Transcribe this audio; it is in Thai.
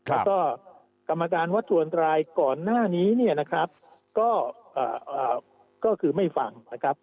แล้วก็กรรมการวัตถุอันตรายก่อนหน้านี้เนี่ยนะครับก็คือไม่ฟังนะครับ